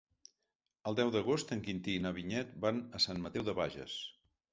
El deu d'agost en Quintí i na Vinyet van a Sant Mateu de Bages.